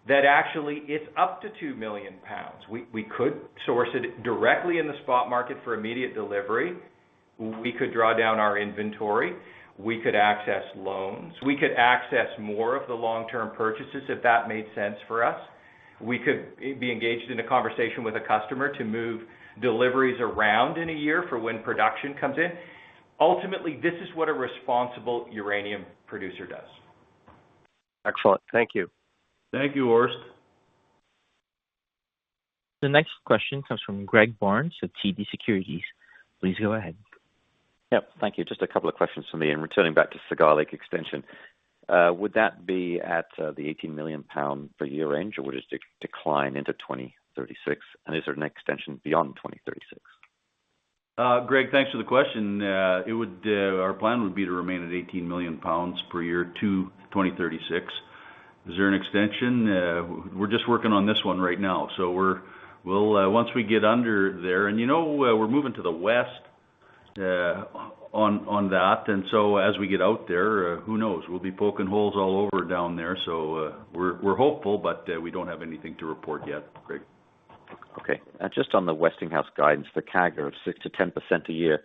that actually it's up to 2 million pounds. We could source it directly in the spot market for immediate delivery. We could draw down our inventory, we could access loans, we could access more of the long-term purchases if that made sense for us. We could be engaged in a conversation with a customer to move deliveries around in a year for when production comes in. Ultimately, this is what a responsible uranium producer does. Excellent. Thank you. Thank you, Orest. The next question comes from Greg Barnes of TD Securities. Please go ahead. Yep. Thank you. Just a couple of questions from me. Returning back to Cigar Lake extension, would that be at the 18 million pounds per year range, or would it decline into 2036? And is there an extension beyond 2036? Greg, thanks for the question. It would, our plan would be to remain at 18 million pounds per year to 2036. Is there an extension? We're just working on this one right now, so we'll, once we get under there... And, you know, we're moving to the west, on, on that. And so as we get out there, who knows? We'll be poking holes all over down there, so, we're, we're hopeful, but, we don't have anything to report yet, Greg. Okay. And just on the Westinghouse guidance, the CAGR of 6%-10% a year,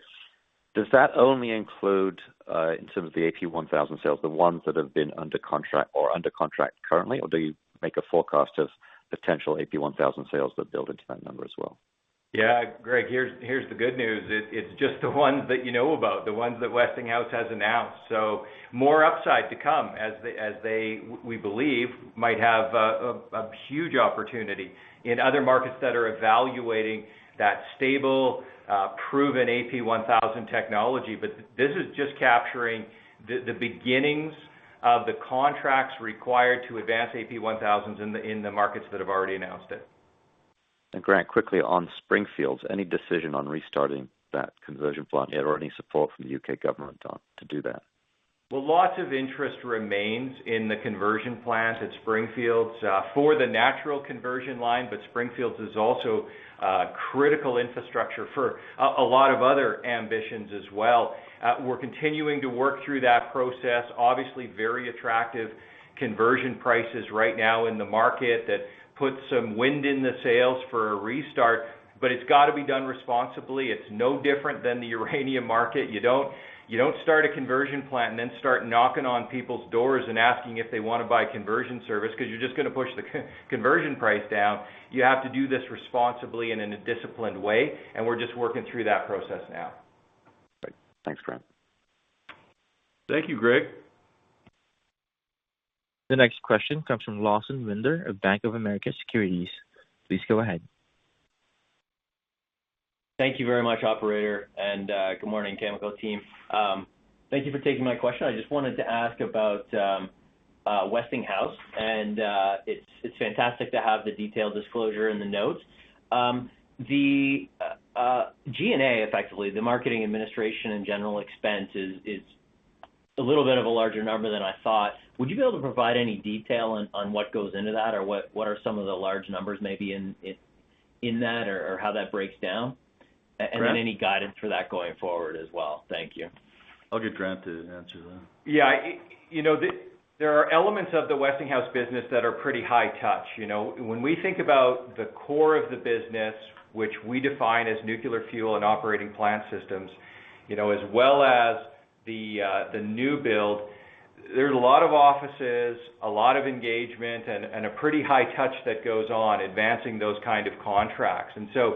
does that only include, in terms of the AP1000 sales, the ones that have been under contract or under contract currently? Or do you make a forecast of potential AP1000 sales that build into that number as well? Yeah, Greg, here's the good news. It's just the ones that you know about, the ones that Westinghouse has announced. So more upside to come as we believe might have a huge opportunity in other markets that are evaluating that stable, proven AP1000 technology. But this is just capturing the beginnings of the contracts required to advance AP1000s in the markets that have already announced it. Grant, quickly on Springfields, any decision on restarting that conversion plant yet, or any support from the U.K. government on to do that? Well, lots of interest remains in the conversion plant at Springfields for the natural conversion line. But Springfields is also critical infrastructure for a lot of other ambitions as well. We're continuing to work through that process. Obviously, very attractive conversion prices right now in the market. That puts some wind in the sails for a restart, but it's got to be done responsibly. It's no different than the uranium market. You don't start a conversion plant and then start knocking on people's doors and asking if they want to buy a conversion service, because you're just going to push the conversion price down. You have to do this responsibly and in a disciplined way, and we're just working through that process now. Great. Thanks, Grant. Thank you, Greg. The next question comes from Lawson Winder of Bank of America Securities. Please go ahead. Thank you very much, operator, and good morning, Cameco team. Thank you for taking my question. I just wanted to ask about Westinghouse, and it's fantastic to have the detailed disclosure in the notes. The SG&A, effectively, the marketing, administration, and general expense is a little bit of a larger number than I thought. Would you be able to provide any detail on what goes into that? Or what are some of the large numbers maybe in that or how that breaks down? Grant- Then any guidance for that going forward as well. Thank you. I'll get Grant to answer that. Yeah, I, you know, the, there are elements of the Westinghouse business that are pretty high touch. You know, when we think about the core of the business, which we define as nuclear fuel and operating plant systems, you know, as well as the new build, there's a lot of offices, a lot of engagement, and a pretty high touch that goes on advancing those kind of contracts. And so,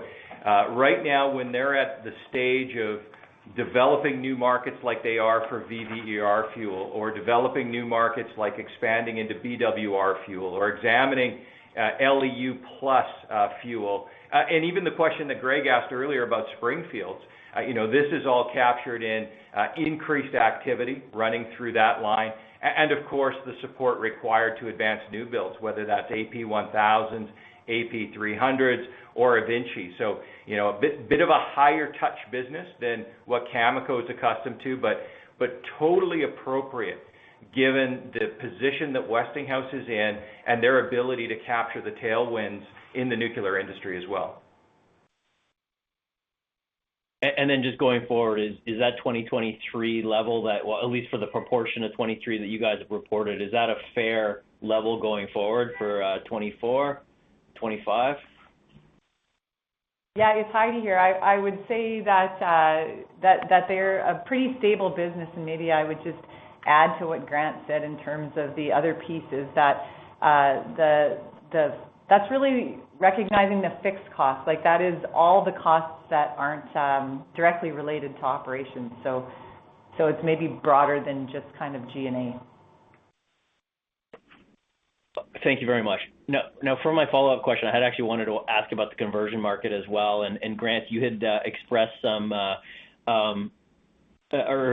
right now, when they're at the stage of developing new markets like they are for VVER fuel, or developing new markets, like expanding into BWR fuel, or examining, LEU+ fuel. And even the question that Greg asked earlier about Springfields, you know, this is all captured in increased activity running through that line, and of course, the support required to advance new builds, whether that's AP1000s, AP300s or eVinci. So, you know, a bit of a higher touch business than what Cameco is accustomed to, but totally appropriate, given the position that Westinghouse is in and their ability to capture the tailwinds in the nuclear industry as well. And then just going forward, is that 2023 level—that well, at least for the proportion of 2023 that you guys have reported—is that a fair level going forward for 2024, 2025? Yeah, it's Heidi here. I would say that they're a pretty stable business, and maybe I would just add to what Grant said in terms of the other pieces, that that's really recognizing the fixed costs. Like, that is all the costs that aren't directly related to operations. So, it's maybe broader than just kind of G&A. Thank you very much. Now for my follow-up question, I had actually wanted to ask about the conversion market as well. And Grant, you had expressed some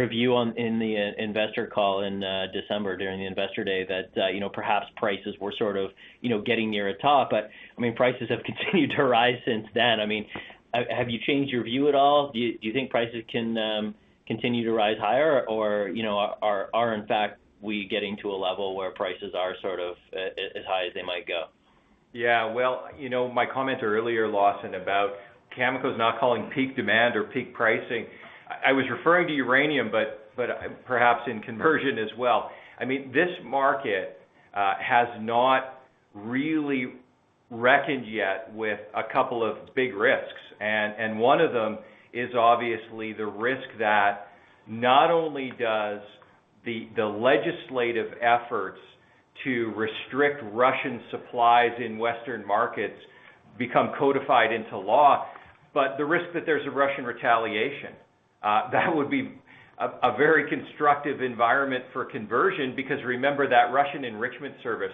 view in the investor call in December, during the Investor Day, that you know, perhaps prices were sort of, you know, getting near a top. But, I mean, prices have continued to rise since then. I mean, have you changed your view at all? Do you think prices can continue to rise higher? Or, you know, are we, in fact, getting to a level where prices are sort of as high as they might go? Yeah. Well, you know, my comment earlier, Lawson, about Cameco's not calling peak demand or peak pricing, I was referring to uranium, but perhaps in conversion as well. I mean, this market has not really reckoned yet with a couple of big risks, and one of them is obviously the risk that not only does the legislative efforts to restrict Russian supplies in Western markets become codified into law, but the risk that there's a Russian retaliation that would be a very constructive environment for conversion, because remember that Russian enrichment service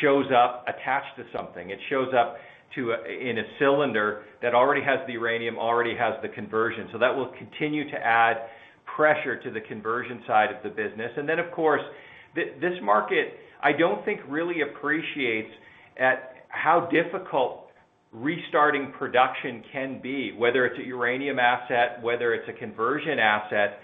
shows up attached to something. It shows up in a cylinder that already has the uranium, already has the conversion. So that will continue to add pressure to the conversion side of the business. And then, of course, this market, I don't think, really appreciates how difficult restarting production can be, whether it's a uranium asset, whether it's a conversion asset.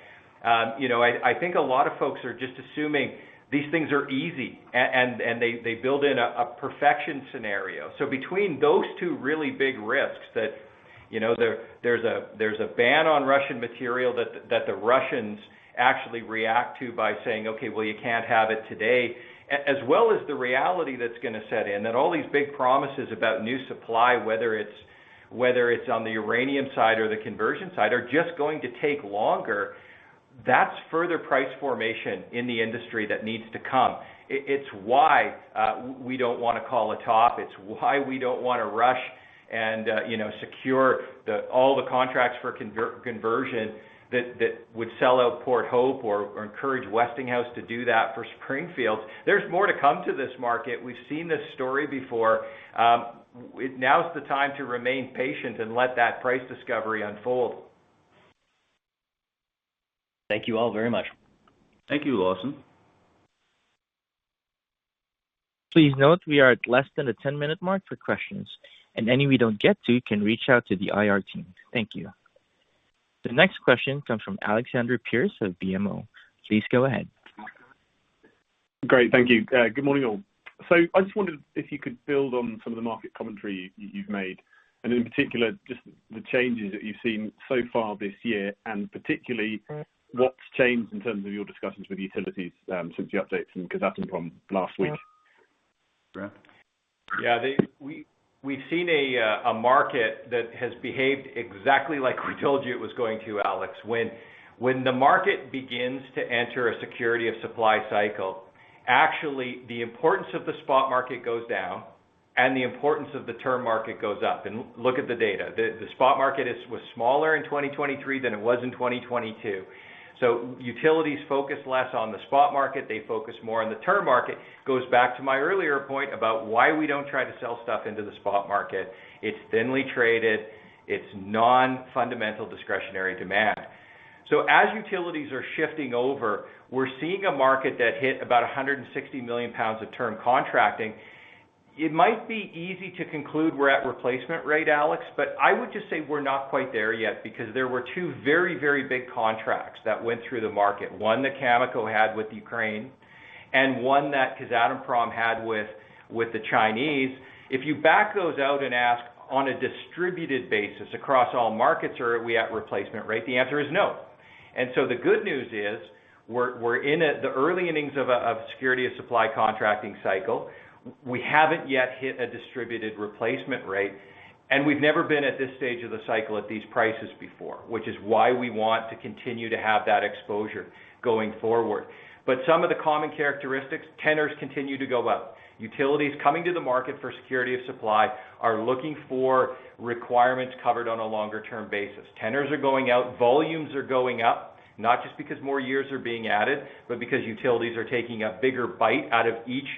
You know, I think a lot of folks are just assuming these things are easy and they build in a perfection scenario. So between those two really big risks that, you know, there's a ban on Russian material that the Russians actually react to by saying, "Okay, well, you can't have it today," as well as the reality that's gonna set in, that all these big promises about new supply, whether it's on the uranium side or the conversion side, are just going to take longer. That's further price formation in the industry that needs to come. It's why we don't wanna call a top, it's why we don't wanna rush and, you know, secure all the contracts for conversion that would sell out Port Hope or encourage Westinghouse to do that for Springfields. There's more to come to this market. We've seen this story before. Now is the time to remain patient and let that price discovery unfold. Thank you all very much. Thank you, Lawson. Please note we are at less than a 10-minute mark for questions, and any we don't get to, you can reach out to the IR team. Thank you. The next question comes from Alexander Pearce of BMO. Please go ahead. Great. Thank you. Good morning, all. So I just wondered if you could build on some of the market commentary you've made, and in particular, just the changes that you've seen so far this year, and particularly, what's changed in terms of your discussions with utilities, since the updates from Kazatomprom last week? Grant? Yeah, they—we, we've seen a market that has behaved exactly like we told you it was going to, Alex. When the market begins to enter a security of supply cycle, actually, the importance of the spot market goes down, and the importance of the term market goes up. And look at the data. The spot market was smaller in 2023 than it was in 2022. So utilities focus less on the spot market, they focus more on the term market. Goes back to my earlier point about why we don't try to sell stuff into the spot market. It's thinly traded, it's non-fundamental discretionary demand. So as utilities are shifting over, we're seeing a market that hit about 160 million pounds of term contracting. It might be easy to conclude we're at replacement rate, Alex, but I would just say we're not quite there yet, because there were two very, very big contracts that went through the market. One that Cameco had with Ukraine, and one that Kazatomprom had with the Chinese. If you back those out and ask, on a distributed basis across all markets, are we at replacement rate? The answer is no. And so the good news is, we're in at the early innings of a security of supply contracting cycle. We haven't yet hit a distributed replacement rate, and we've never been at this stage of the cycle at these prices before, which is why we want to continue to have that exposure going forward. But some of the common characteristics, tenors continue to go up. Utilities coming to the market for security of supply are looking for requirements covered on a longer-term basis. Tenors are going out, volumes are going up, not just because more years are being added, but because utilities are taking a bigger bite out of each of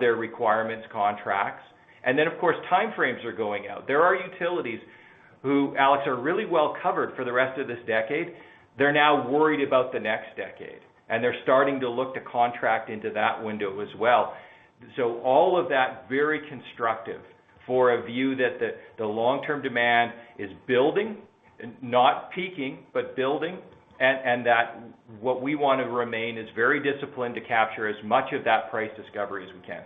their requirements contracts. And then, of course, time frames are going out. There are utilities who, Alex, are really well covered for the rest of this decade. They're now worried about the next decade, and they're starting to look to contract into that window as well. So all of that, very constructive for a view that the, the long-term demand is building, not peaking, but building, and, and that what we want to remain is very disciplined to capture as much of that price discovery as we can.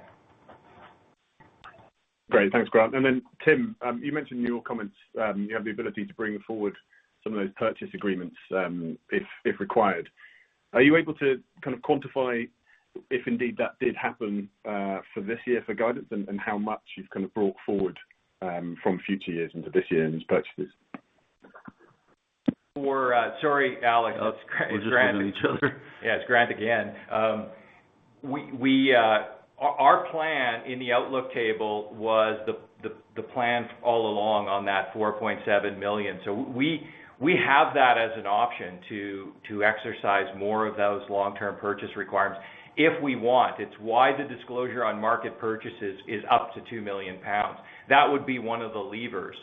Great. Thanks, Grant. And then, Tim, you mentioned in your comments, you have the ability to bring forward some of those purchase agreements, if, if required. Are you able to kind of quantify if indeed that did happen, for this year for guidance and, and how much you've kind of brought forward, from future years into this year in these purchases? We're... Sorry, Alex, it's Grant. We're just on each other. Yeah, it's Grant again. Our plan in the outlook table was the plan all along on that 4.7 million. So we have that as an option to exercise more of those long-term purchase requirements if we want. It's why the disclosure on market purchases is up to 2 million pounds. That would be one of the levers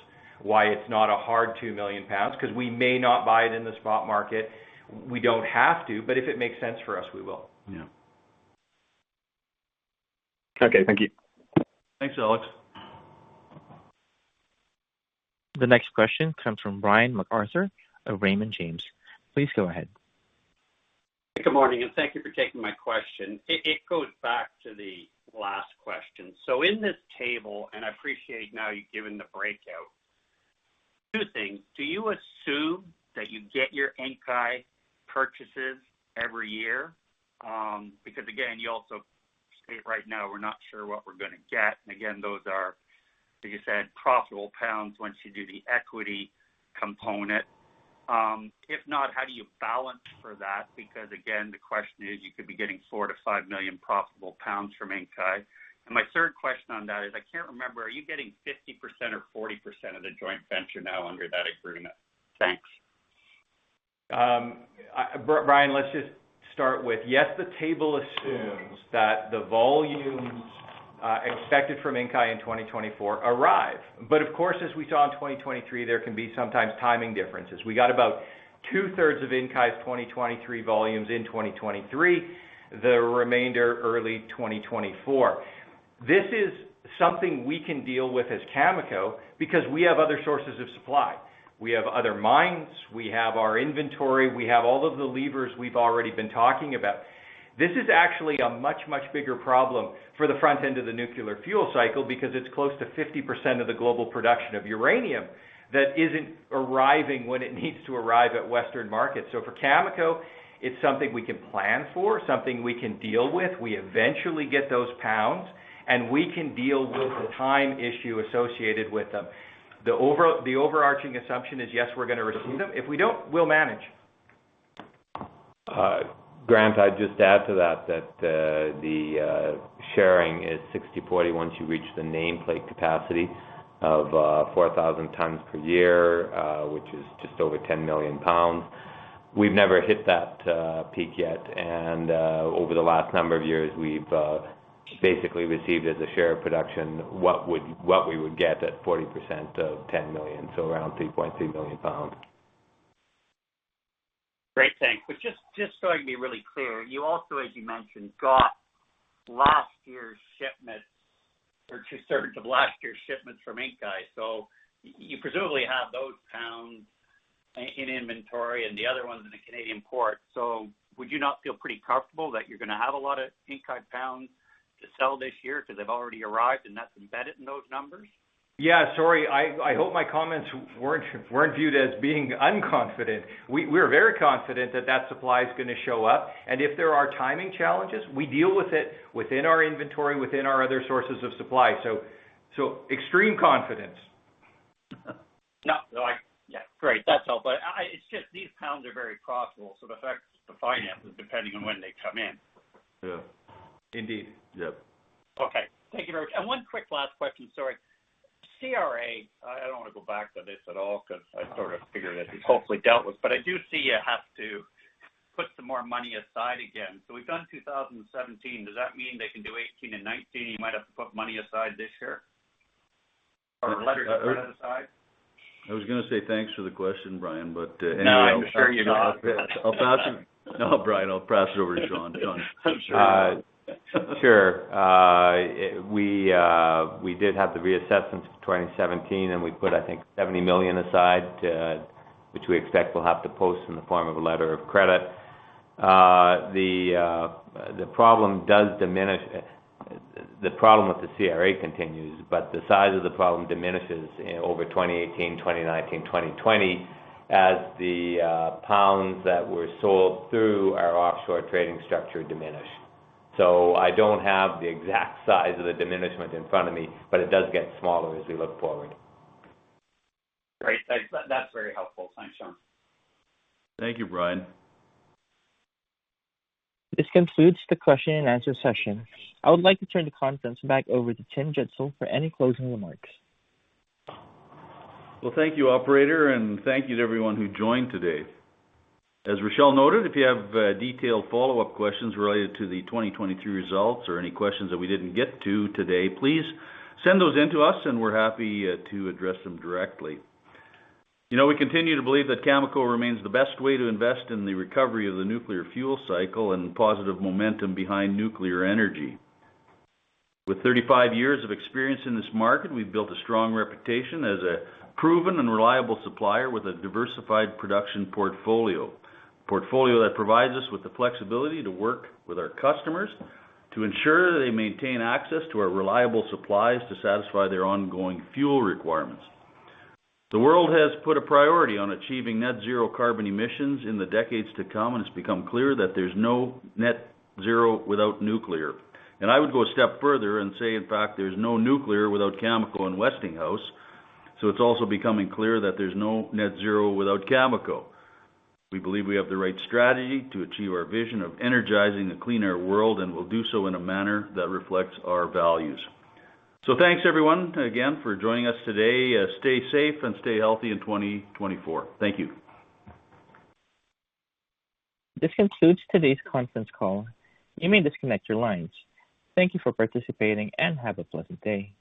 why it's not a hard 2 million pounds, because we may not buy it in the spot market. We don't have to, but if it makes sense for us, we will. Yeah. Okay, thank you. Thanks, Alex. The next question comes from Brian MacArthur of Raymond James. Please go ahead. Good morning, and thank you for taking my question. It, it goes back to the last question. So in this table, and I appreciate now you've given the breakout. Two things: Do you assume that you get your Inkai purchases every year? Because again, you also state right now, we're not sure what we're gonna get, and again, those are, like you said, profitable pounds once you do the equity component. If not, how do you balance for that? Because, again, the question is, you could be getting 4-5 million profitable pounds from Inkai. And my third question on that is: I can't remember, are you getting 50% or 40% of the joint venture now under that agreement? Thanks. Brian, let's just start with, yes, the table assumes that the volumes expected from Inkai in 2024 arrive. But of course, as we saw in 2023, there can be sometimes timing differences. We got about two-thirds of Inkai's 2023 volumes in 2023, the remainder, early 2024. This is something we can deal with as Cameco because we have other sources of supply. We have other mines, we have our inventory, we have all of the levers we've already been talking about. This is actually a much, much bigger problem for the front end of the nuclear fuel cycle because it's close to 50% of the global production of uranium that isn't arriving when it needs to arrive at Western markets. So for Cameco, it's something we can plan for, something we can deal with. We eventually get those pounds, and we can deal with the time issue associated with them. The overarching assumption is, yes, we're going to receive them. If we don't, we'll manage. Grant, I'd just add to that, the sharing is 60/40 once you reach the nameplate capacity of 4,000 tons per year, which is just over 10 million pounds. We've never hit that peak yet, and over the last number of years, we've basically received as a share of production, what we would get at 40% of 10 million, so around 3.3 million pounds. Great, thanks. But just, just so I can be really clear, you also, as you mentioned, got last year's shipments, or two-thirds of last year's shipments from Inkai. So you presumably have those pounds in inventory and the other ones in the Canadian port. So would you not feel pretty comfortable that you're going to have a lot of Inkai pounds to sell this year because they've already arrived, and that's embedded in those numbers? Yeah, sorry. I hope my comments weren't viewed as being unconfident. We're very confident that that supply is going to show up, and if there are timing challenges, we deal with it within our inventory, within our other sources of supply. So extreme confidence. No, like... Yeah, great. That's all. But I, it's just, these pounds are very profitable, so it affects the finances depending on when they come in. Yeah. Indeed. Yep. Okay. Thank you very much. One quick last question, sorry. CRA, I don't want to go back to this at all because I sort of figured it hopefully dealt with, but I do see you have to put some more money aside again. So we've done 2017. Does that mean they can do 2018 and 2019, you might have to put money aside this year or later aside? I was going to say thanks for the question, Brian, but, anyway- No, I'm sure you're not. I'll pass it... Oh, Brian, I'll pass it over to Sean. Sean. I'm sure. Sure. We did have to reassess since 2017, and we put, I think, 70 million aside to which we expect we'll have to post in the form of a letter of credit. The problem does diminish. The problem with the CRA continues, but the size of the problem diminishes over 2018, 2019, 2020, as the pounds that were sold through our offshore trading structure diminish. So I don't have the exact size of the diminishment in front of me, but it does get smaller as we look forward. Great. Thanks. That, that's very helpful. Thanks, Sean. Thank you, Brian. This concludes the question and answer session. I would like to turn the conference back over to Tim Gitzel for any closing remarks. Well, thank you, operator, and thank you to everyone who joined today. As Rachelle noted, if you have detailed follow-up questions related to the 2023 results or any questions that we didn't get to today, please send those in to us, and we're happy to address them directly. You know, we continue to believe that Cameco remains the best way to invest in the recovery of the nuclear fuel cycle and positive momentum behind nuclear energy. With 35 years of experience in this market, we've built a strong reputation as a proven and reliable supplier with a diversified production portfolio. A portfolio that provides us with the flexibility to work with our customers to ensure they maintain access to our reliable supplies to satisfy their ongoing fuel requirements. The world has put a priority on achieving net zero carbon emissions in the decades to come, and it's become clear that there's no net zero without nuclear. And I would go a step further and say, in fact, there's no nuclear without Cameco and Westinghouse, so it's also becoming clear that there's no net zero without Cameco. We believe we have the right strategy to achieve our vision of energizing a cleaner world, and we'll do so in a manner that reflects our values. So thanks everyone, again, for joining us today. Stay safe and stay healthy in 2024. Thank you. This concludes today's conference call. You may disconnect your lines. Thank you for participating, and have a pleasant day.